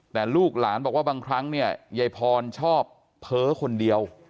แต่ลูกหลานบอกว่าบางครั้งเนี่ยยายพรชอบเพ้อคนเดียว